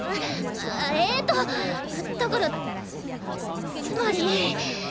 えとだからつまり。